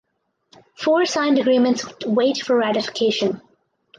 Four signed agreements wait for ratification.